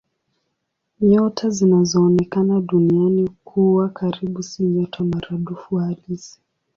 Nyota zinazoonekana Duniani kuwa karibu si nyota maradufu halisi.